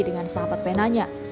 dengan sahabat penanya